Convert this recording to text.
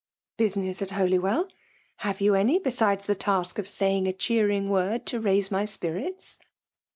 « Business at Holywell! Have you any, besides the task of saying a cheering word to raise my spirits